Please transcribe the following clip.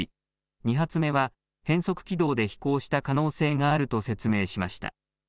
２発目は変則軌道で飛行した可能性があると説明しました。